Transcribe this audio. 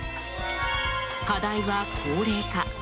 課題は高齢化。